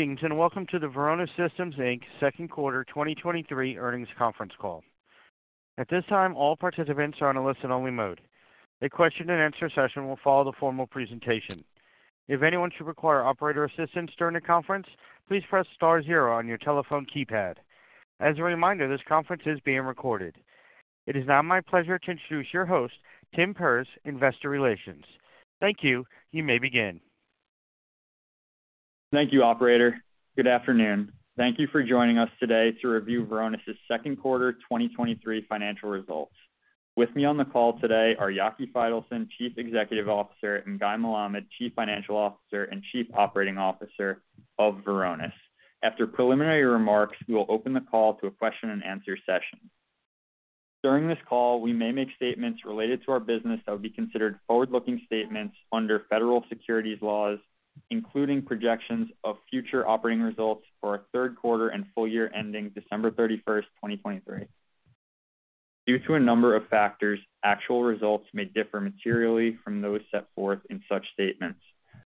Greetings, welcome to the Varonis Systems Inc.'s second quarter 2023 earnings conference call. At this time, all participants are on a listen-only mode. A question-and-answer session will follow the formal presentation. If anyone should require operator assistance during the conference, please press star zero on your telephone keypad. As a reminder, this conference is being recorded. It is now my pleasure to introduce your host, Tim Perz, Investor Relations. Thank you. You may begin. Thank you, operator. Good afternoon. Thank you for joining us today to review Varonis' second quarter 2023 financial results. With me on the call today are Yaki Faitelson, Chief Executive Officer, and Guy Melamed, Chief Financial Officer and Chief Operating Officer of Varonis. After preliminary remarks, we will open the call to a question-and-answer session. During this call, we may make statements related to our business that would be considered forward-looking statements under federal securities laws, including projections of future operating results for our third quarter and full year ending December 31st, 2023. Due to a number of factors, actual results may differ materially from those set forth in such statements.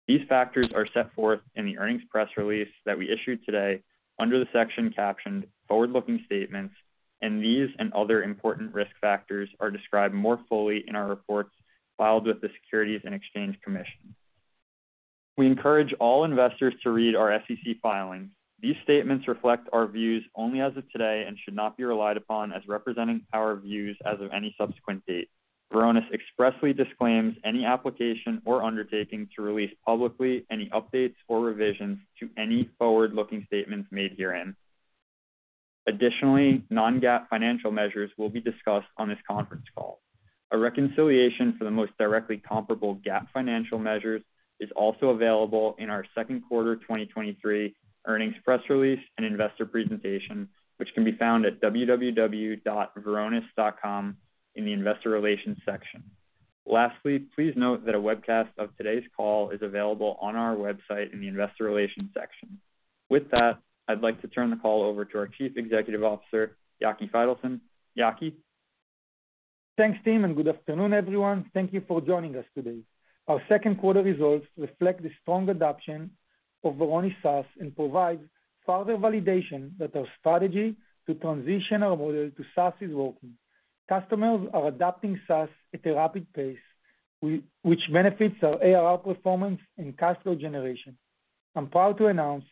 These factors are set forth in the earnings press release that we issued today under the section captioned Forward-Looking Statements, and these and other important risk factors are described more fully in our reports filed with the Securities and Exchange Commission. We encourage all investors to read our SEC filings. These statements reflect our views only as of today and should not be relied upon as representing our views as of any subsequent date. Varonis expressly disclaims any application or undertaking to release publicly any updates or revisions to any forward-looking statements made herein. Additionally, non-GAAP financial measures will be discussed on this conference call. A reconciliation for the most directly comparable GAAP financial measures is also available in our second quarter 2023 earnings press release and investor presentation, which can be found at www.varonis.com in the Investor Relations section. Lastly, please note that a webcast of today's call is available on our website in the Investor Relations section. With that, I'd like to turn the call over to our Chief Executive Officer, Yaki Faitelson. Yaki? Thanks, Tim, and good afternoon, everyone. Thank you for joining us today. Our second quarter results reflect the strong adoption of Varonis SaaS and provide further validation that our strategy to transition our model to SaaS is working. Customers are adopting SaaS at a rapid pace, which benefits our ARR performance and cash flow generation. I'm proud to announce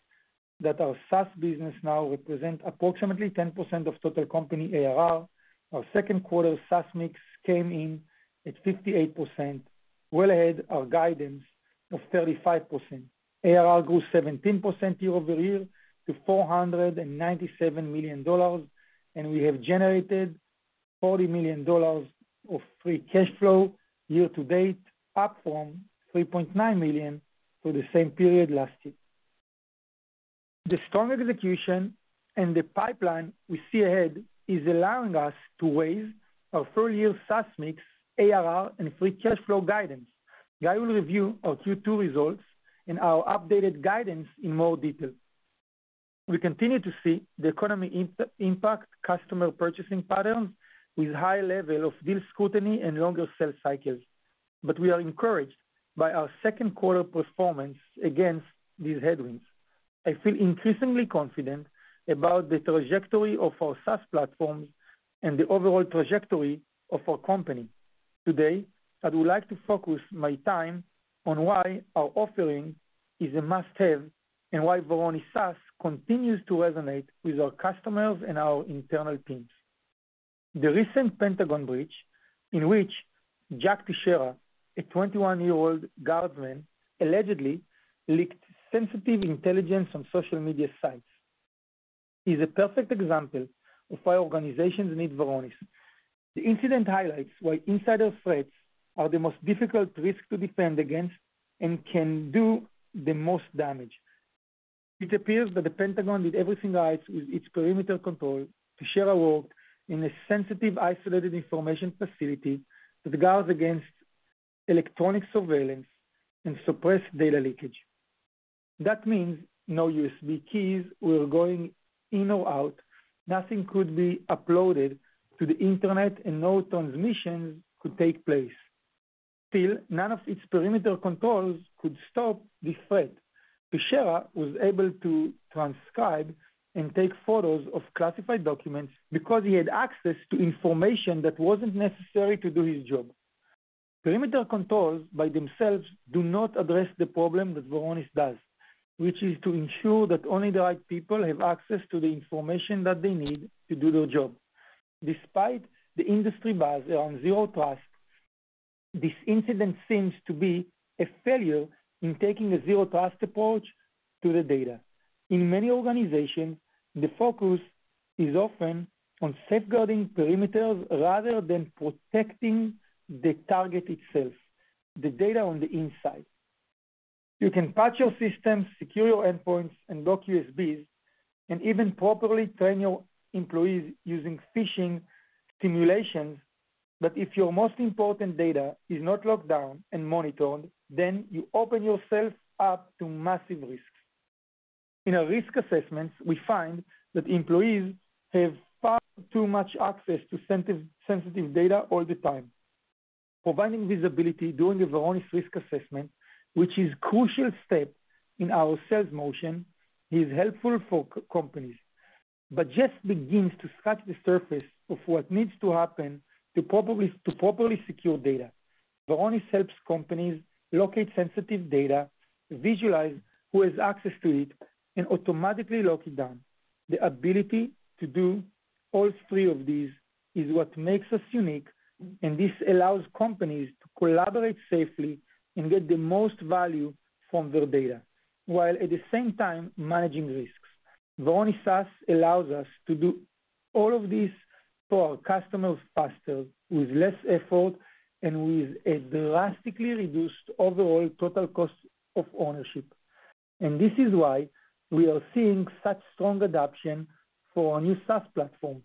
that our SaaS business now represents approximately 10% of total company ARR. Our second quarter SaaS mix came in at 58%, well ahead of guidance of 35%. ARR grew 17% year-over-year to $497 million, and we have generated $40 million of free cash flow year to date, up from $3.9 million for the same period last year. The strong execution and the pipeline we see ahead is allowing us to raise our full year SaaS mix, ARR, and free cash flow guidance. Guy will review our Q2 results and our updated guidance in more detail. We continue to see the economy impact customer purchasing patterns with high level of deal scrutiny and longer sales cycles, but we are encouraged by our second quarter performance against these headwinds. I feel increasingly confident about the trajectory of our SaaS platform and the overall trajectory of our company. Today, I would like to focus my time on why our offering is a must-have and why Varonis SaaS continues to resonate with our customers and our internal teams. The recent Pentagon breach, in which Jack Teixeira, a 21-year-old guardsman, allegedly leaked sensitive intelligence on social media sites, is a perfect example of why organizations need Varonis. The incident highlights why insider threats are the most difficult risk to defend against and can do the most damage. It appears that the Pentagon did everything right with its perimeter control to share a world in a sensitive, isolated information facility that guards against electronic surveillance and suppress data leakage. That means no USB keys were going in or out, nothing could be uploaded to the internet, and no transmissions could take place. Still, none of its perimeter controls could stop this threat. Teixeira was able to transcribe and take photos of classified documents because he had access to information that wasn't necessary to do his job. Perimeter controls by themselves do not address the problem that Varonis does, which is to ensure that only the right people have access to the information that they need to do their job. Despite the industry buzz around zero trust, this incident seems to be a failure in taking a zero trust approach to the data. In many organizations, the focus is often on safeguarding perimeters rather than protecting the target itself, the data on the inside. You can patch your systems, secure your endpoints, and block USBs, and even properly train your employees using phishing simulations, if your most important data is not locked down and monitored, then you open yourself up to massive risk. In our risk assessments, we find that employees have far too much access to sensitive, sensitive data all the time. Providing visibility during the Varonis risk assessment, which is crucial step in our sales motion, is helpful for companies, but just begins to scratch the surface of what needs to happen to properly, to properly secure data. Varonis helps companies locate sensitive data, visualize who has access to it, and automatically lock it down. The ability to do all three of these is what makes us unique, and this allows companies to collaborate safely and get the most value from their data, while at the same time managing risks. Varonis SaaS allows us to do all of this for our customers faster, with less effort, and with a drastically reduced overall total cost of ownership. This is why we are seeing such strong adoption for our new SaaS platform.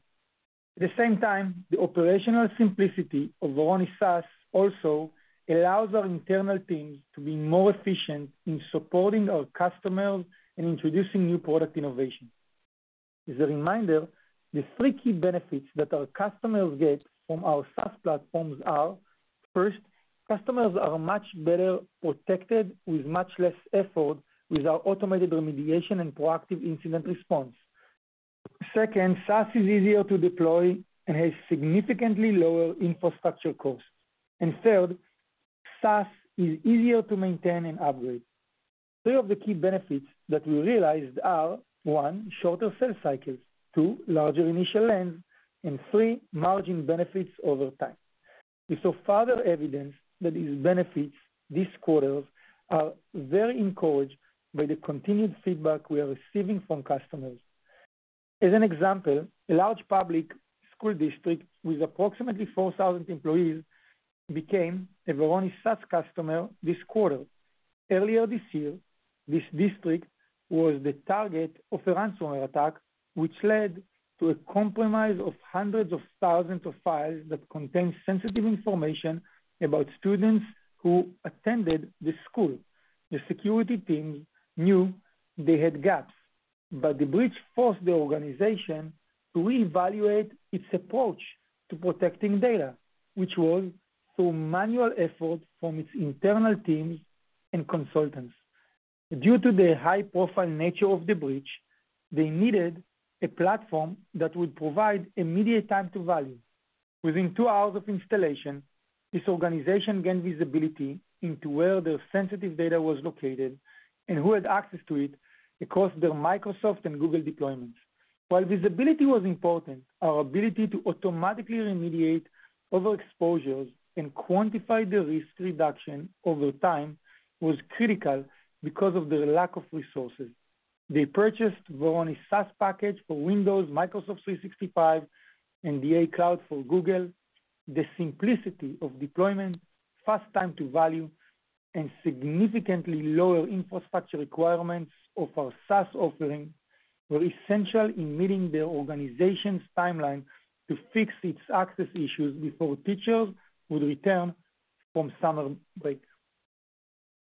At the same time, the operational simplicity of Varonis SaaS also allows our internal teams to be more efficient in supporting our customers and introducing new product innovation. As a reminder, the three key benefits that our customers get from our SaaS platforms are, first, customers are much better protected with much less effort with our automated remediation and proactive incident response. Second, SaaS is easier to deploy and has significantly lower infrastructure costs. Third, SaaS is easier to maintain and upgrade. Three of the key benefits that we realized are, one, shorter sales cycles, two, larger initial lands, and three, margin benefits over time. We saw further evidence that these benefits this quarter are very encouraged by the continued feedback we are receiving from customers. As an example, a large public school district with approximately 4,000 employees became a Varonis SaaS customer this quarter. Earlier this year, this district was the target of a ransomware attack, which led to a compromise of hundreds of thousands of files that contained sensitive information about students who attended this school. The security team knew they had gaps, but the breach forced the organization to reevaluate its approach to protecting data, which was through manual effort from its internal teams and consultants. Due to the high-profile nature of the breach, they needed a platform that would provide immediate time to value. Within two hours of installation, this organization gained visibility into where their sensitive data was located and who had access to it across their Microsoft and Google deployments. While visibility was important, our ability to automatically remediate overexposures and quantify the risk reduction over time was critical because of their lack of resources. They purchased Varonis SaaS package for Windows, Microsoft 365, and the Cloud for Google. The simplicity of deployment, fast time to value, and significantly lower infrastructure requirements of our SaaS offering, were essential in meeting the organization's timeline to fix its access issues before teachers would return from summer break.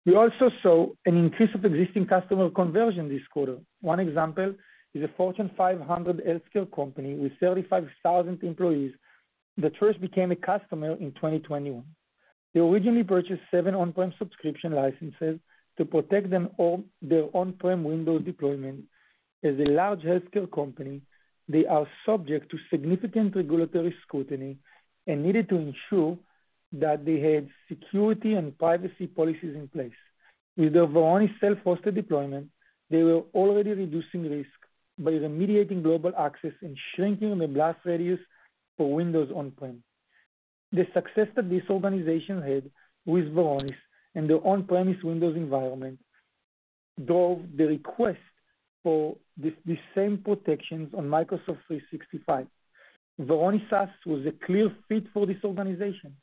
We also saw an increase of existing customer conversion this quarter. One example is a Fortune 500 healthcare company with 35,000 employees that first became a customer in 2021. They originally purchased seven on-prem subscription licenses to protect their on-prem Windows deployment. As a large healthcare company, they are subject to significant regulatory scrutiny and needed to ensure that they had security and privacy policies in place. With the Varonis self-hosted deployment, they were already reducing risk by remediating global access and shrinking the blast radius for Windows on-prem. The success that this organization had with Varonis and their on-premise Windows environment drove the request for this, these same protections on Microsoft 365. Varonis SaaS was a clear fit for this organization.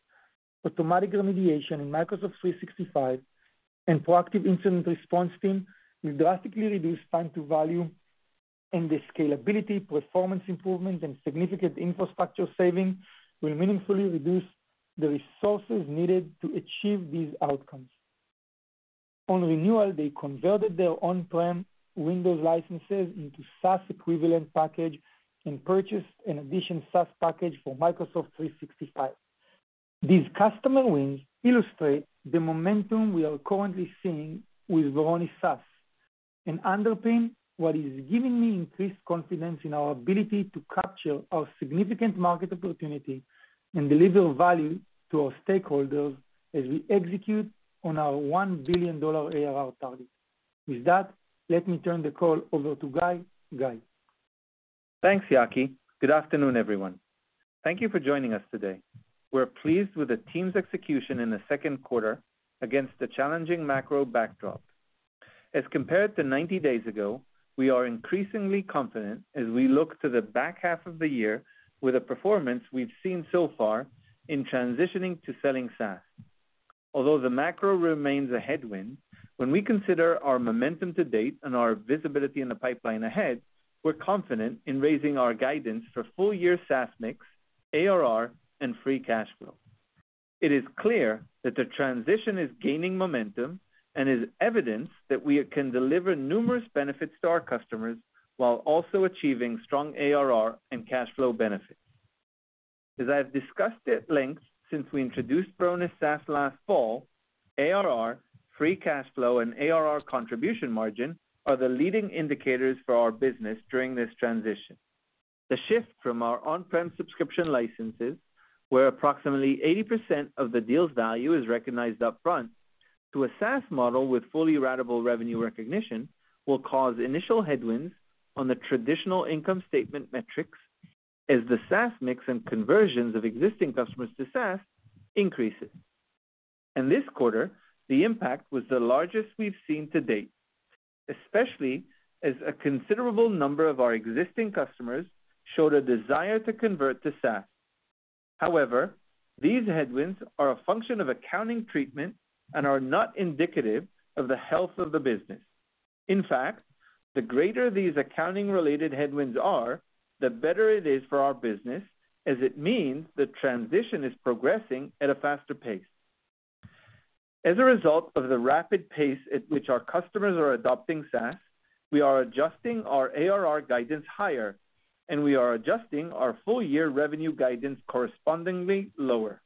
Automatic remediation in Microsoft 365 and proactive incident response team will drastically reduce time to value, and the scalability, performance improvement, and significant infrastructure savings will meaningfully reduce the resources needed to achieve these outcomes. On renewal, they converted their on-prem Windows licenses into SaaS equivalent package and purchased an additional SaaS package for Microsoft 365. These customer wins illustrate the momentum we are currently seeing with Varonis SaaS and underpin what is giving me increased confidence in our ability to capture our significant market opportunity and deliver value to our stakeholders as we execute on our $1 billion ARR target. With that, let me turn the call over to Guy. Guy? Thanks, Yaki. Good afternoon, everyone. Thank you for joining us today. We're pleased with the team's execution in the second quarter against the challenging macro backdrop. As compared to 90 days ago, we are increasingly confident as we look to the back half of the year with the performance we've seen so far in transitioning to selling SaaS. Although the macro remains a headwind, when we consider our momentum to date and our visibility in the pipeline ahead, we're confident in raising our guidance for full year SaaS mix, ARR, and free cash flow. It is clear that the transition is gaining momentum and is evidence that we can deliver numerous benefits to our customers while also achieving strong ARR and cash flow benefits. As I've discussed at length since we introduced Varonis SaaS last fall, ARR, free cash flow, and ARR contribution margin are the leading indicators for our business during this transition. The shift from our on-prem subscription licenses, where approximately 80% of the deal's value is recognized upfront, to a SaaS model with fully ratable revenue recognition, will cause initial headwinds on the traditional income statement metrics as the SaaS mix and conversions of existing customers to SaaS increases. In this quarter, the impact was the largest we've seen to date, especially as a considerable number of our existing customers showed a desire to convert to SaaS. However, these headwinds are a function of accounting treatment and are not indicative of the health of the business. In fact, the greater these accounting-related headwinds are, the better it is for our business, as it means the transition is progressing at a faster pace. As a result of the rapid pace at which our customers are adopting SaaS, we are adjusting our ARR guidance higher, and we are adjusting our full year revenue guidance correspondingly lower.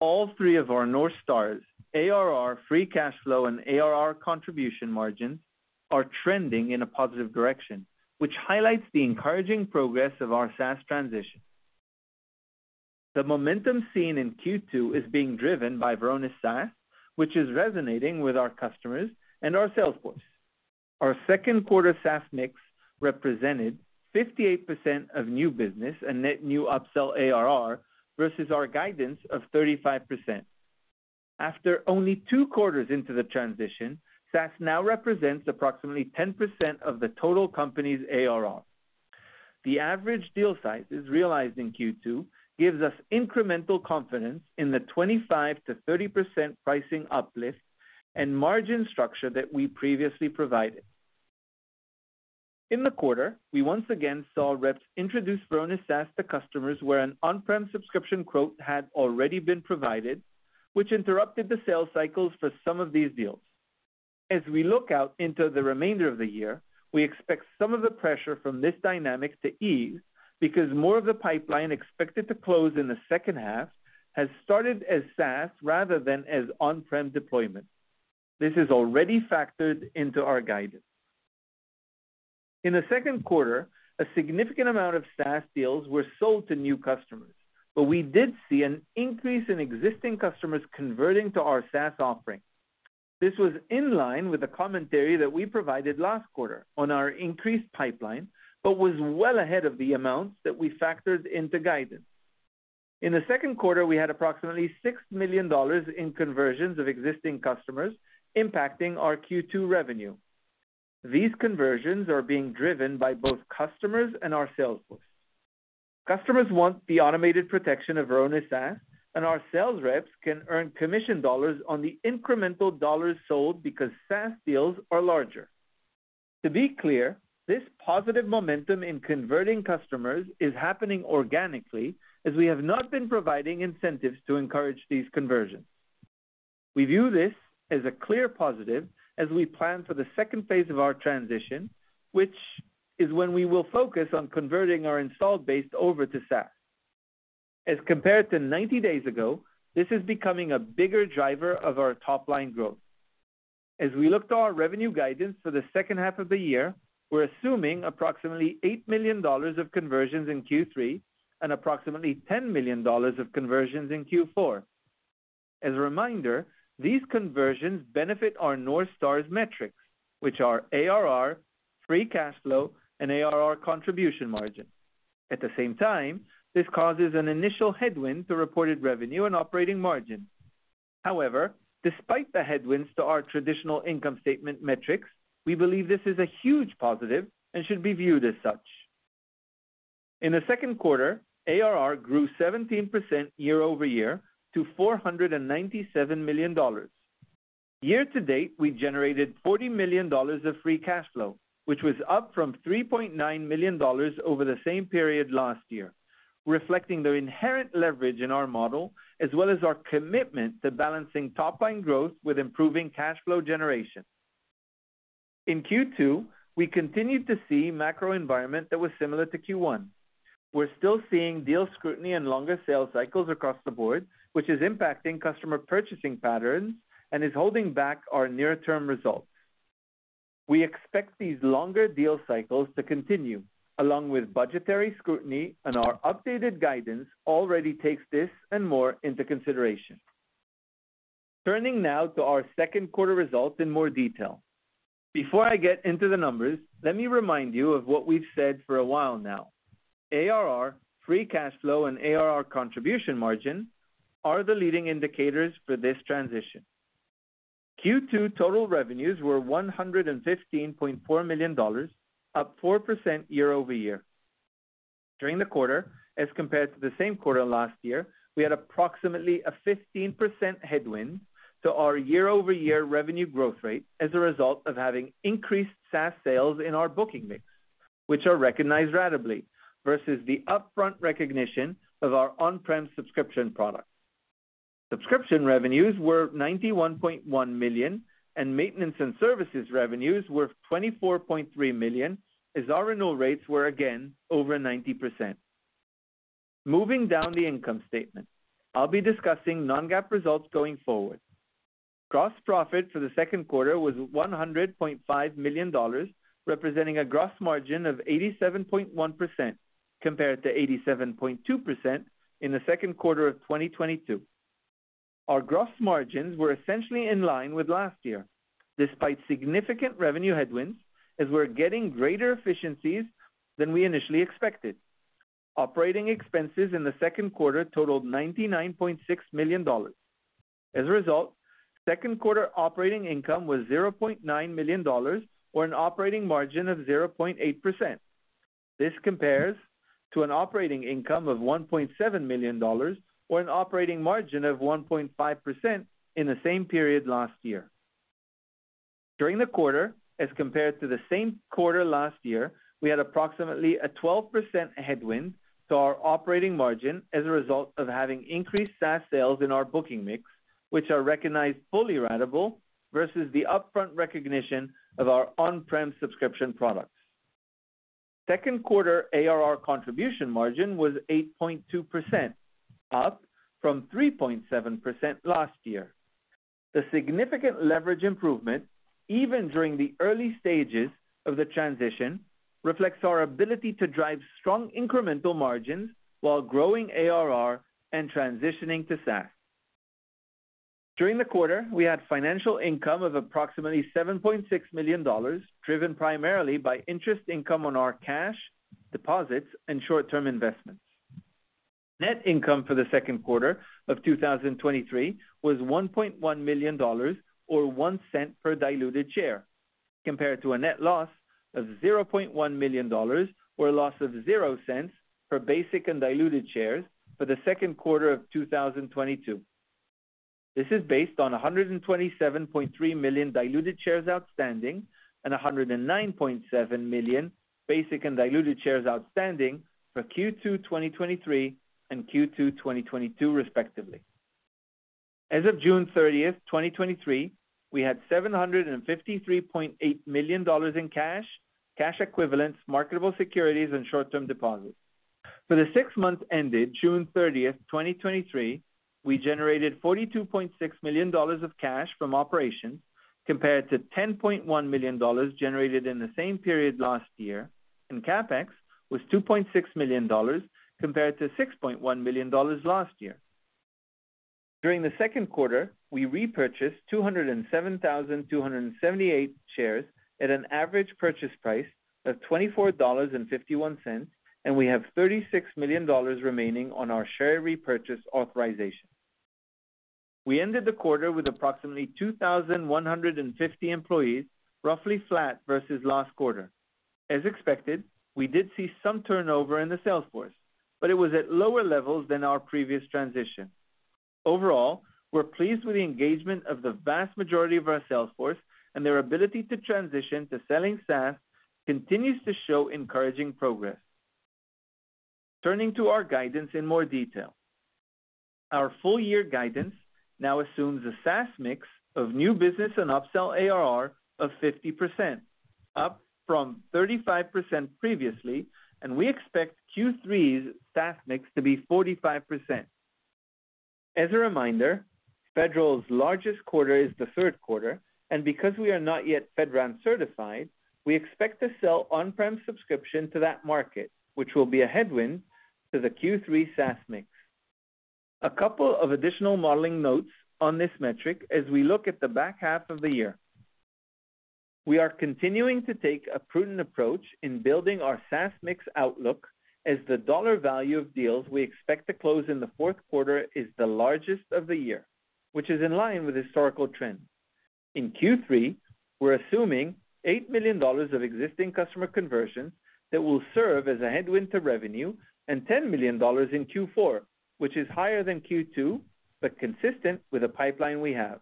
All three of our North Stars, ARR, free cash flow, and ARR contribution margin, are trending in a positive direction, which highlights the encouraging progress of our SaaS transition. The momentum seen in Q2 is being driven by Varonis SaaS, which is resonating with our customers and our sales force. Our second quarter SaaS mix represented 58% of new business and net new upsell ARR versus our guidance of 35%. After only two quarters into the transition, SaaS now represents approximately 10% of the total company's ARR. The average deal sizes realized in Q2 gives us incremental confidence in the 25%-30% pricing uplift and margin structure that we previously provided. In the quarter, we once again saw reps introduce Varonis SaaS to customers, where an on-prem subscription quote had already been provided, which interrupted the sales cycles for some of these deals. As we look out into the remainder of the year, we expect some of the pressure from this dynamics to ease because more of the pipeline expected to close in the second half has started as SaaS rather than as on-prem deployment. This is already factored into our guidance. In the second quarter, a significant amount of SaaS deals were sold to new customers, but we did see an increase in existing customers converting to our SaaS offering. This was in line with the commentary that we provided last quarter on our increased pipeline, but was well ahead of the amounts that we factored into guidance. In the second quarter, we had approximately $6 million in conversions of existing customers impacting our Q2 revenue. These conversions are being driven by both customers and our sales force. Customers want the automated protection of Varonis SaaS, and our sales reps can earn commission dollars on the incremental dollars sold because SaaS deals are larger. To be clear, this positive momentum in converting customers is happening organically, as we have not been providing incentives to encourage these conversions. We view this as a clear positive as we plan for the second phase of our transition, which is when we will focus on converting our installed base over to SaaS. As compared to 90 days ago, this is becoming a bigger driver of our top-line growth. As we look to our revenue guidance for the second half of the year, we're assuming approximately $8 million of conversions in Q3 and approximately $10 million of conversions in Q4. As a reminder, these conversions benefit our North Stars metrics, which are ARR, free cash flow, and ARR contribution margin. At the same time, this causes an initial headwind to reported revenue and operating margin. However, despite the headwinds to our traditional income statement metrics, we believe this is a huge positive and should be viewed as such. In the second quarter, ARR grew 17% year-over-year to $497 million. Year to date, we generated $40 million of free cash flow, which was up from $3.9 million over the same period last year, reflecting the inherent leverage in our model, as well as our commitment to balancing top-line growth with improving cash flow generation. In Q2, we continued to see macro environment that was similar to Q1. We're still seeing deal scrutiny and longer sales cycles across the board, which is impacting customer purchasing patterns and is holding back our near-term results. We expect these longer deal cycles to continue, along with budgetary scrutiny. Our updated guidance already takes this and more into consideration. Turning now to our second quarter results in more detail. Before I get into the numbers, let me remind you of what we've said for a while now. ARR, free cash flow, and ARR contribution margin are the leading indicators for this transition. Q2 total revenues were $115.4 million, up 4% year-over-year. During the quarter, as compared to the same quarter last year, we had approximately a 15% headwind to our year-over-year revenue growth rate as a result of having increased SaaS sales in our booking mix, which are recognized ratably, versus the upfront recognition of our on-prem subscription product. Subscription revenues were $91.1 million, and maintenance and services revenues were $24.3 million, as our renewal rates were again over 90%. Moving down the income statement, I'll be discussing non-GAAP results going forward. Gross profit for the second quarter was $100.5 million, representing a gross margin of 87.1%, compared to 87.2% in the second quarter of 2022. Our gross margins were essentially in line with last year, despite significant revenue headwinds, as we're getting greater efficiencies than we initially expected. Operating expenses in the second quarter totaled $99.6 million. A result, second quarter operating income was $0.9 million or an operating margin of 0.8%. This compares to an operating income of $1.7 million or an operating margin of 1.5% in the same period last year. During the quarter, as compared to the same quarter last year, we had approximately a 12% headwind to our operating margin as a result of having increased SaaS sales in our booking mix, which are recognized fully ratable versus the upfront recognition of our on-prem subscription products. Second quarter ARR contribution margin was 8.2%, up from 3.7% last year. The significant leverage improvement, even during the early stages of the transition, reflects our ability to drive strong incremental margins while growing ARR and transitioning to SaaS. During the quarter, we had financial income of approximately $7.6 million, driven primarily by interest income on our cash, deposits, and short-term investments. Net income for the second quarter of 2023 was $1.1 million or $0.01 per diluted share, compared to a net loss of $0.1 million or a loss of $0.00 per basic and diluted shares for the second quarter of 2022. This is based on 127.3 million diluted shares outstanding and 109.7 million basic and diluted shares outstanding for Q2 2023 and Q2 2022, respectively. As of June 30, 2023, we had $753.8 million in cash, cash equivalents, marketable securities, and short-term deposits. For the six months ended June 30th, 2023, we generated $42.6 million of cash from operations, compared to $10.1 million generated in the same period last year, and CapEx was $2.6 million, compared to $6.1 million last year. During the second quarter, we repurchased 207,278 shares at an average purchase price of $24.51, and we have $36 million remaining on our share repurchase authorization. We ended the quarter with approximately 2,150 employees, roughly flat versus last quarter. As expected, we did see some turnover in the sales force, but it was at lower levels than our previous transition. Overall, we're pleased with the engagement of the vast majority of our sales force, and their ability to transition to selling SaaS continues to show encouraging progress. Turning to our guidance in more detail. Our full year guidance now assumes a SaaS mix of new business and upsell ARR of 50%, up from 35% previously, and we expect Q3's SaaS mix to be 45%. As a reminder, Federal's largest quarter is the third quarter, and because we are not yet FedRAMP certified, we expect to sell on-prem subscription to that market, which will be a headwind to the Q3 SaaS mix. A couple of additional modeling notes on this metric as we look at the back half of the year. We are continuing to take a prudent approach in building our SaaS mix outlook, as the dollar value of deals we expect to close in the fourth quarter is the largest of the year, which is in line with historical trends. In Q3, we're assuming $8 million of existing customer conversion that will serve as a headwind to revenue and $10 million in Q4, which is higher than Q2, but consistent with the pipeline we have.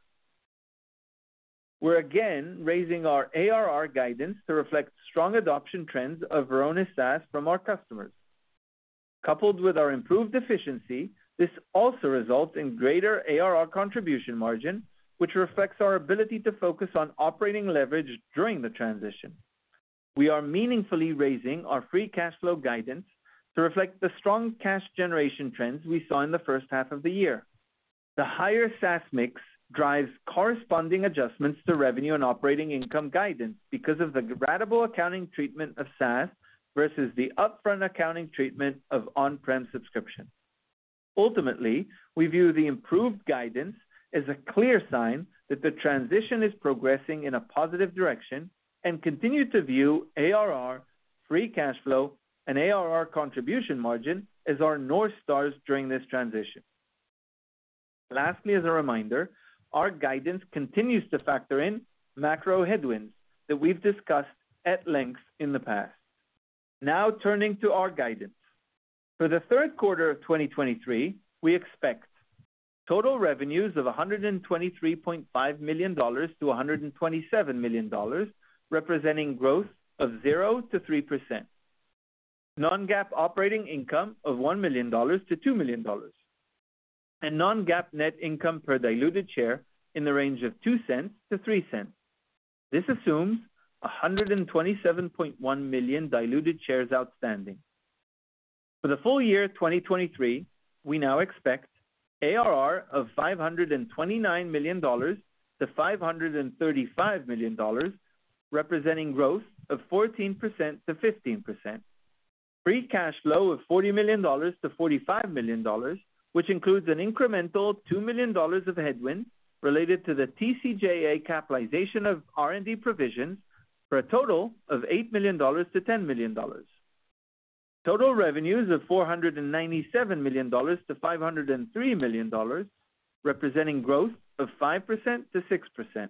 We're again raising our ARR guidance to reflect strong adoption trends of Varonis SaaS from our customers. Coupled with our improved efficiency, this also results in greater ARR contribution margin, which reflects our ability to focus on operating leverage during the transition. We are meaningfully raising our free cash flow guidance to reflect the strong cash generation trends we saw in the first half of the year. The higher SaaS mix drives corresponding adjustments to revenue and operating income guidance because of the ratable accounting treatment of SaaS versus the upfront accounting treatment of on-prem subscription. Ultimately, we view the improved guidance as a clear sign that the transition is progressing in a positive direction and continue to view ARR, free cash flow, and ARR contribution margin as our North Stars during this transition. Lastly, as a reminder, our guidance continues to factor in macro headwinds that we've discussed at length in the past. Turning to our guidance. For the third quarter of 2023, we expect total revenues of $123.5 million to $127 million, representing growth of 0%-3%. Non-GAAP operating income of $1 million-$2 million, and non-GAAP net income per diluted share in the range of $0.02-$0.03. This assumes 127.1 million diluted shares outstanding. For the full year 2023, we now expect ARR of $529 million-$535 million, representing growth of 14%-15%. Free cash flow of $40 million-$45 million, which includes an incremental $2 million of headwinds related to the TCJA capitalization of R&D provisions, for a total of $8 million-$10 million. Total revenues of $497 million-$503 million, representing growth of 5%-6%.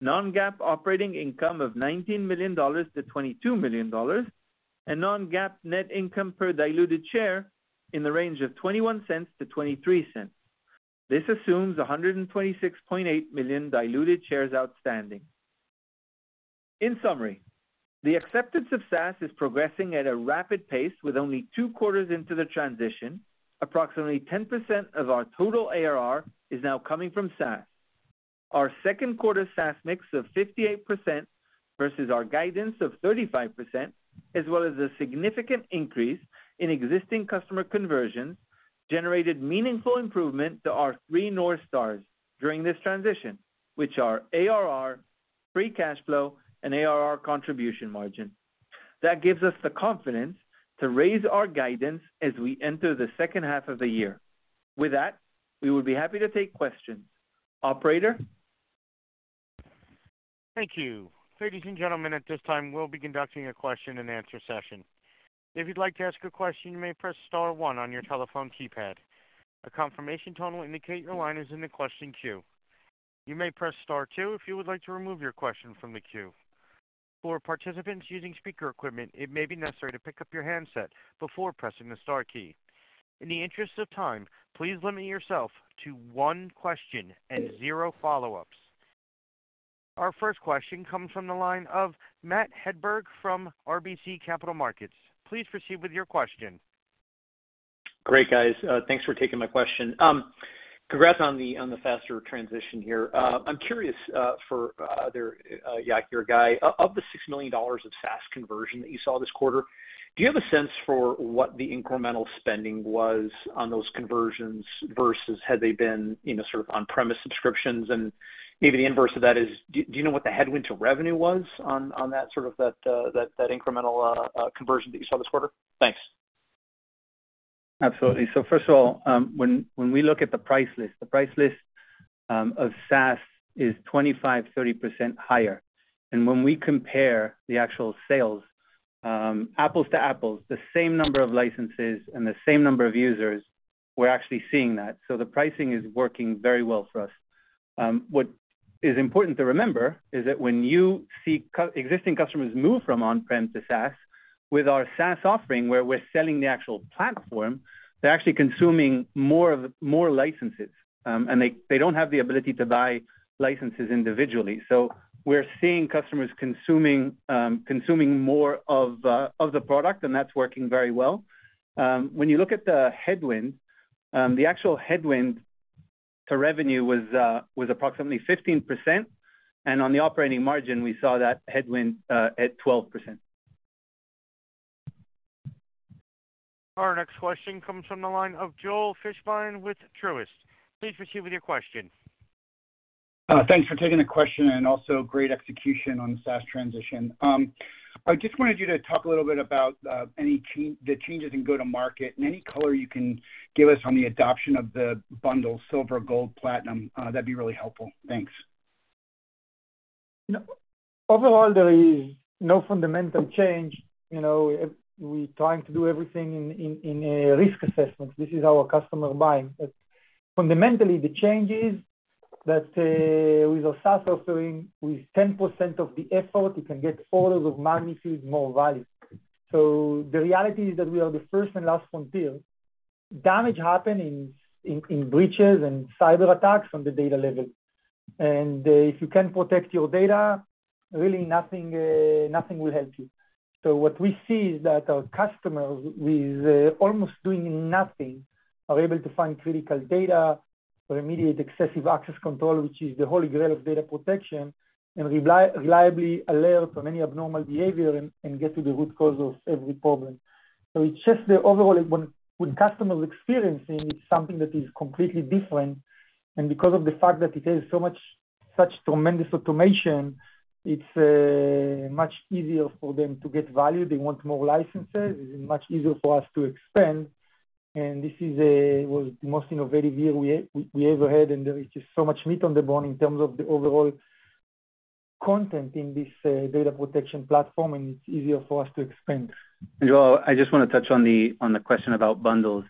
Non-GAAP operating income of $19 million-$22 million, and non-GAAP net income per diluted share in the range of $0.21-$0.23. This assumes 126.8 million diluted shares outstanding. In summary, the acceptance of SaaS is progressing at a rapid pace, with only two quarters into the transition. Approximately 10% of our total ARR is now coming from SaaS. Our second quarter SaaS mix of 58% versus our guidance of 35%, as well as a significant increase in existing customer conversions, generated meaningful improvement to our three North Stars during this transition, which are ARR, free cash flow, and ARR contribution margin. That gives us the confidence to raise our guidance as we enter the second half of the year. With that, we would be happy to take questions. Operator? Thank you. Ladies and gentlemen, at this time, we'll be conducting a question-and-answer session. If you'd like to ask a question, you may press star one on your telephone keypad. A confirmation tone will indicate your line is in the question queue. You may press star two if you would like to remove your question from the queue. For participants using speaker equipment, it may be necessary to pick up your handset before pressing the star key. In the interest of time, please limit yourself to one question and zero follow-ups. Our first question comes from the line of Matt Hedberg, from RBC Capital Markets. Please proceed with your question. Great, guys. Thanks for taking my question. Congrats on the, on the faster transition here. I'm curious, for Yaki or Guy, of, of the $6 million of SaaS conversion that you saw this quarter, do you have a sense for what the incremental spending was on those conversions versus had they been, you know, sort of on-premise subscriptions? Maybe the inverse of that is, do, do you know what the headwind to revenue was on, on that sort of that, that, that incremental conversion that you saw this quarter? Thanks. Absolutely. First of all, when we look at the price list, the price list of SaaS is 25%, 30% higher. When we compare the actual sales, apples to apples, the same number of licenses and the same number of users, we're actually seeing that. The pricing is working very well for us. What is important to remember is that when you see existing customers move from on-prem to SaaS, with our SaaS offering, where we're selling the actual platform, they're actually consuming more of, more licenses, and they, they don't have the ability to buy licenses individually. We're seeing customers consuming, consuming more of the product, and that's working very well. When you look at the headwind, the actual headwind to revenue was approximately 15%, and on the operating margin, we saw that headwind at 12%. Our next question comes from the line of Joel Fishbein with Truist. Please proceed with your question. Thanks for taking the question, and also great execution on the SaaS transition. I just wanted you to talk a little bit about any the changes in go-to-market and any color you can give us on the adoption of the bundle, Silver, Gold, Platinum. That'd be really helpful. Thanks. You know, overall, there is no fundamental change. You know, we're trying to do everything in a risk assessment. This is our customer buying. Fundamentally, the change is that with our SaaS offering, with 10% of the effort, you can get orders of magnitude more value. The reality is that we are the first and last frontier. Damage happen in breaches and cyber attacks from the data level. If you can't protect your data, really nothing, nothing will help you. What we see is that our customers, with almost doing nothing, are able to find critical data or immediate excessive access control, which is the holy grail of data protection, and reliably alert on any abnormal behavior and get to the root cause of every problem. It's just the overall, when customers experiencing, it's something that is completely different, and because of the fact that it has so much, such tremendous automation, it's much easier for them to get value. They want more licenses. It's much easier for us to expand. This is was the most innovative year we ever had. There is just so much meat on the bone in terms of the overall content in this data protection platform. It's easier for us to expand. Joel, I just want to touch on the, on the question about bundles.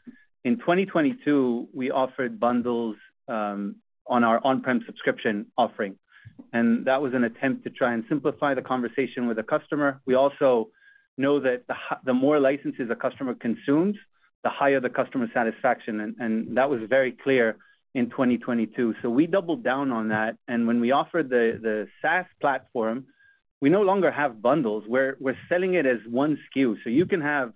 In 2022, we offered bundles on our on-prem subscription offering, and that was an attempt to try and simplify the conversation with the customer. We also know that the more licenses a customer consumes, the higher the customer satisfaction, and, and that was very clear in 2022. We doubled down on that, and when we offered the, the SaaS platform, we no longer have bundles, where we're selling it as 1 SKU. You can have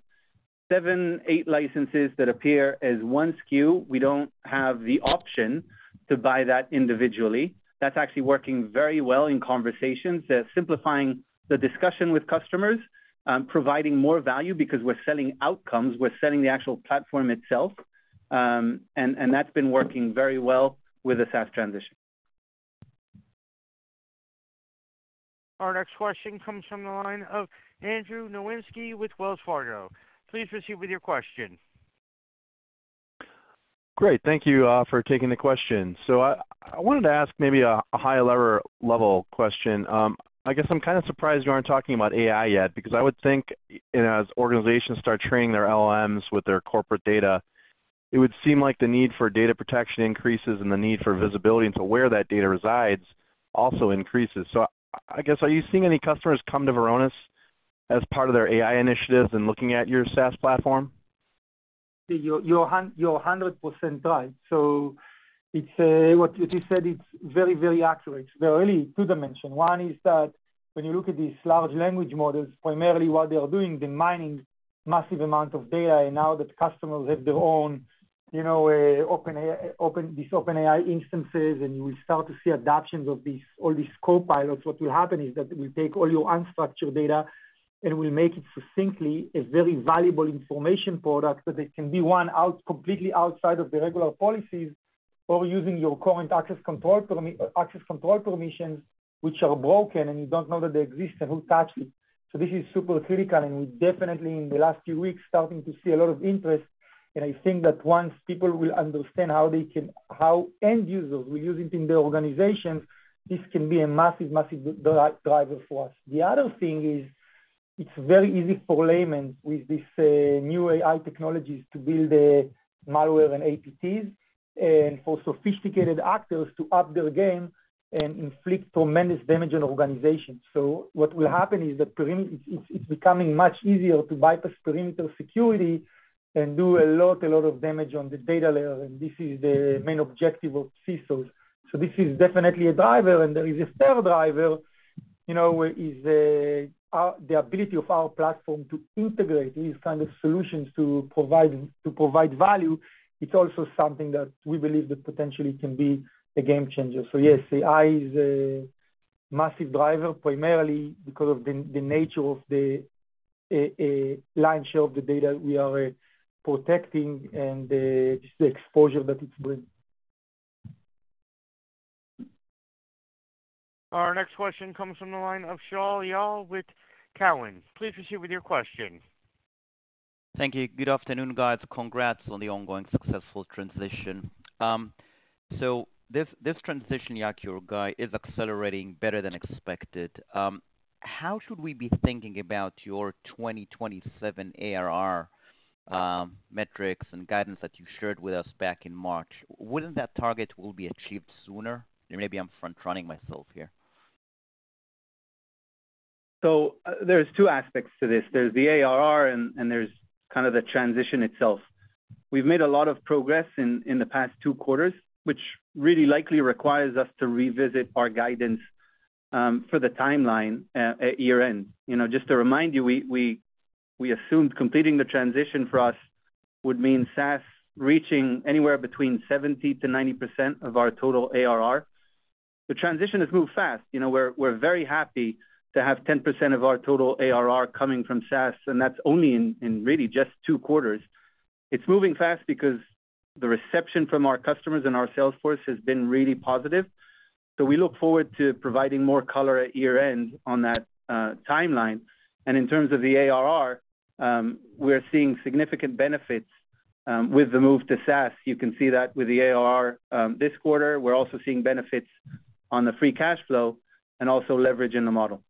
seven, eight licenses that appear as 1 SKU. We don't have the option to buy that individually. That's actually working very well in conversations. They're simplifying the discussion with customers, providing more value because we're selling outcomes, we're selling the actual platform itself, and, and that's been working very well with the SaaS transition. Our next question comes from the line of Andrew Nowinski with Wells Fargo. Please proceed with your question. Great. Thank you for taking the question. I, I wanted to ask maybe a, a higher level question. I guess I'm kind of surprised you aren't talking about AI yet, because I would think as organizations start training their LLMs with their corporate data, it would seem like the need for data protection increases, and the need for visibility into where that data resides also increases. I, I guess, are you seeing any customers come to Varonis as part of their AI initiatives and looking at your SaaS platform? You're 100% right. It's what you said, it's very, very accurate. There are really two dimensions. One is that when you look at these large language models, primarily what they are doing, they're mining massive amount of data, and now that customers have their own, you know, open, OpenAI, open, these OpenAI instances, and you will start to see adoptions of these, all these copilots. What will happen is that it will take all your unstructured data, and it will make it succinctly a very valuable information product, that it can be one out, completely outside of the regular policies or using your current access control permissions, which are broken, and you don't know that they exist and who touched it. This is super critical, and we definitely, in the last few weeks, starting to see a lot of interest. I think that once people will understand how they can-- how end users will use it in their organizations, this can be a massive, massive driver for us. The other thing is, it's very easy for layman with this new AI technologies to build a malware and APTs, and for sophisticated actors to up their game and inflict tremendous damage on organizations. What will happen is It's, it's becoming much easier to bypass perimeter security and do a lot, a lot of damage on the data layer, and this is the main objective of CISOs. This is definitely a driver, and there is a third driver, you know, is the ability of our platform to integrate these kind of solutions to provide, to provide value. It's also something that we believe that potentially can be a game changer. Yes, AI is a massive driver, primarily because of the nature of the lion's share of the data we are protecting and the, just the exposure that it brings. Our next question comes from the line of Shaul Eyal with Cowen. Please proceed with your question. Thank you. Good afternoon, guys. Congrats on the ongoing successful transition. This transition, Yaki, or Guy, is accelerating better than expected. How should we be thinking about your 2027 ARR metrics and guidance that you shared with us back in March? Wouldn't that target will be achieved sooner? Maybe I'm front-running myself here. There's two aspects to this. There's the ARR and there's kind of the transition itself. We've made a lot of progress in the past two quarters, which really likely requires us to revisit our guidance for the timeline at year-end. You know, just to remind you, we assumed completing the transition for us would mean SaaS reaching anywhere between 70%-90% of our total ARR. The transition has moved fast. You know, we're very happy to have 10% of our total ARR coming from SaaS, and that's only in really just two quarters. It's moving fast because the reception from our customers and our sales force has been really positive. We look forward to providing more color at year-end on that timeline. In terms of the ARR, we are seeing significant benefits, with the move to SaaS. You can see that with the ARR, this quarter. We're also seeing benefits on the free cash flow and also leverage in the model.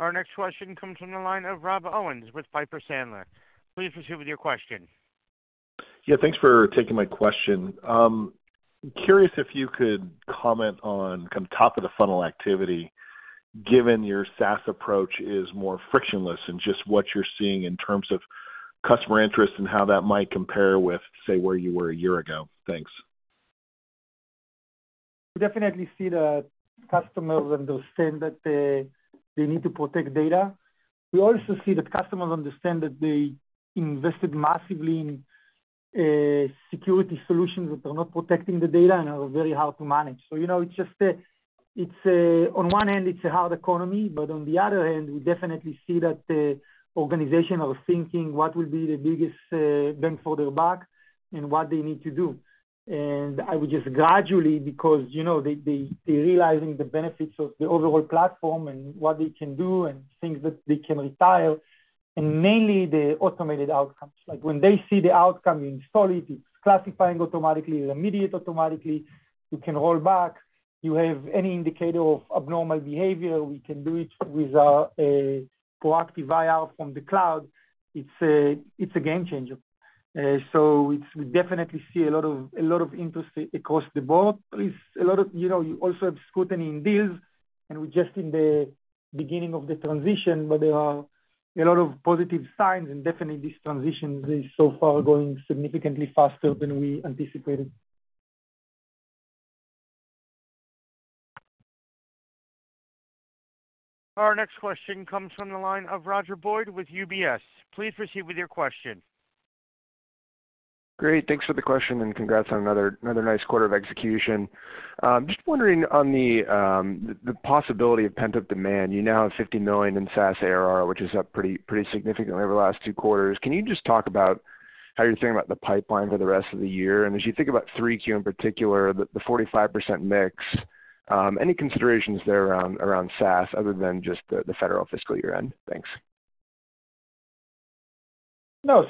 Our next question comes from the line of Rob Owens with Piper Sandler. Please proceed with your question. Yeah, thanks for taking my question. Curious if you could comment on kind of top-of-the-funnel activity, given your SaaS approach is more frictionless and just what you're seeing in terms of customer interest and how that might compare with, say, where you were a year ago. Thanks. We definitely see the customers understand that, they need to protect data. We also see that customers understand that they invested massively in, security solutions that are not protecting the data and are very hard to manage. You know, It's a, on one hand, it's a hard economy, but on the other hand, we definitely see that the organizational thinking, what will be the biggest, bang for their buck and what they need to do. I would just gradually, because, you know, they're realizing the benefits of the overall platform and what they can do and things that they can retire, and mainly the automated outcomes. Like, when they see the outcome in solid, it's classifying automatically, it's immediate automatically, you can roll back. You have any indicator of abnormal behavior, we can do it with a proactive IR from the cloud. It's a game changer. We definitely see a lot of interest across the board. You know, you also have scrutiny in deals. We're just in the beginning of the transition. There are a lot of positive signs. Definitely this transition is so far going significantly faster than we anticipated. Our next question comes from the line of Roger Boyd with UBS. Please proceed with your question. Great. Thanks for the question, and congrats on another, another nice quarter of execution. just wondering on the, the, the possibility of pent-up demand. You now have $50 million in SaaS ARR, which is up pretty, pretty significantly over the last two quarters. Can you just talk about how you're thinking about the pipeline for the rest of the year? And as you think about 3Q in particular, the, the 45% mix, any considerations there around, around SaaS other than just the, the Federal fiscal year end? Thanks. No,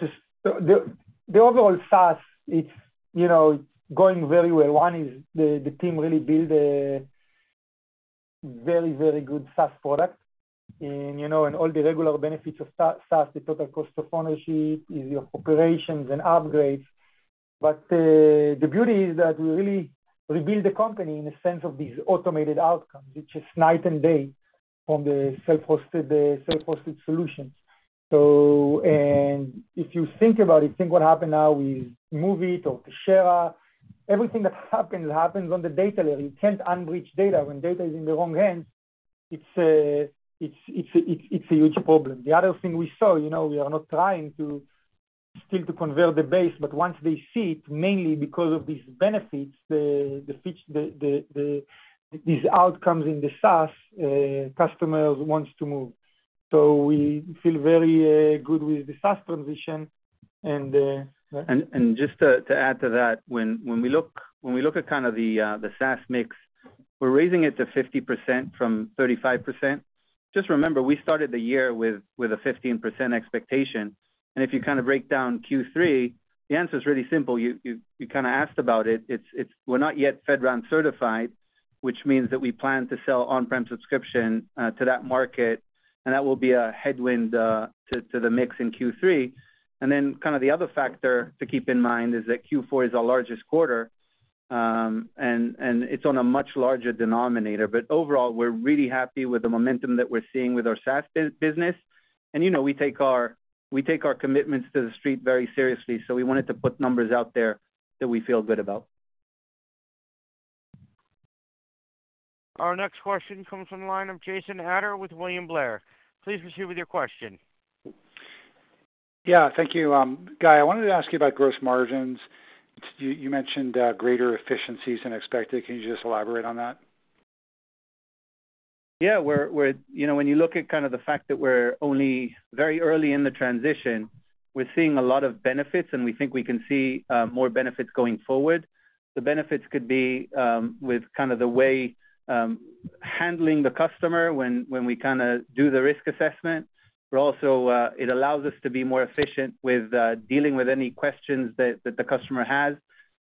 the overall SaaS, it's, you know, going very well. One is the team really build a very, very good SaaS product and, you know, and all the regular benefits of SaaS, the total cost of ownership, easier operations and upgrades. The beauty is that we really rebuild the company in the sense of these automated outcomes, which is night and day from the self-hosted solutions. If you think about it, think what happened now with MOVEit or Kaseya, everything that happens, happens on the data layer. You can't unreach data. When data is in the wrong hands, it's a huge problem. The other thing we saw, you know, we are not trying to still to convert the base, but once they see it, mainly because of these benefits, the feature, these outcomes in the SaaS, customers wants to move. We feel very good with the SaaS transition. Just to add to that, when we look, when we look at kind of the SaaS mix, we're raising it to 50% from 35%. Just remember, we started the year with a 15% expectation, and if you kind of break down Q3, the answer is really simple. You kind of asked about it. It's, we're not yet FedRAMP certified, which means that we plan to sell on-prem subscription to that market, and that will be a headwind to the mix in Q3. Then kind of the other factor to keep in mind is that Q4 is our largest quarter, and it's on a much larger denominator. Overall, we're really happy with the momentum that we're seeing with our SaaS business. You know, we take our, we take our commitments to the street very seriously, so we wanted to put numbers out there that we feel good about. Our next question comes from the line of Jason Ader with William Blair. Please proceed with your question. Yeah, thank you. Guy, I wanted to ask you about gross margins. You, you mentioned greater efficiencies than expected. Can you just elaborate on that? Yeah, we're, you know, when you look at kind of the fact that we're only very early in the transition, we're seeing a lot of benefits, and we think we can see more benefits going forward. The benefits could be with kind of the way handling the customer when, when we kinda do the risk assessment, but also, it allows us to be more efficient with dealing with any questions that, that the customer has.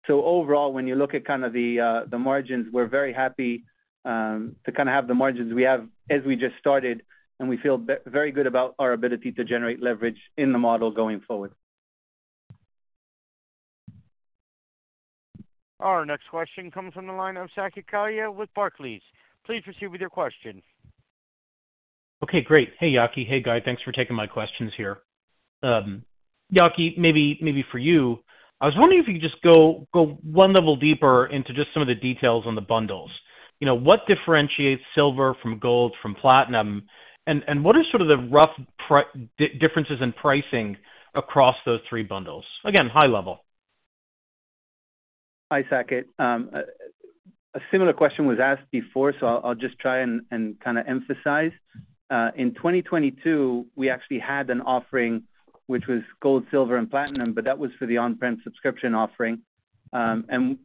Overall, when you look at kind of the margins, we're very happy to kind of have the margins we have as we just started, and we feel very good about our ability to generate leverage in the model going forward. Our next question comes from the line of Saket Kalia with Barclays. Please proceed with your question. Okay, great. Hey, Yaki. Hey, Guy. Thanks for taking my questions here. Yaki, maybe, maybe for you, I was wondering if you could just go, go one level deeper into just some of the details on the bundles. You know, what differentiates Silver from Gold from Platinum? And, and what are sort of the rough differences in pricing across those three bundles? Again, high level. Hi, Saket. A similar question was asked before, so I'll, I'll just try and, and kind of emphasize. In 2022, we actually had an offering which was Gold, Silver and Platinum, but that was for the on-prem subscription offering.